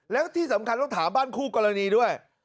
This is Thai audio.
แล้วที่สำคัญต้องถามบ้านคู่กรณีด้วย